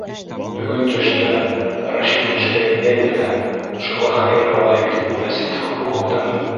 Бөгөн төштә Рәшит төшкә ингәйне лә, шуға хәйер һалайым, тип мәсет һуғылдым.